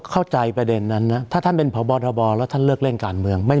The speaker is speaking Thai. เข้าใจประเด็นนั้นนะถ้าท่านเป็นพบทบแล้วท่านเลิกเล่นการเมือง